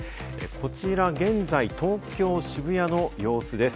こちら現在、東京・渋谷の様子です。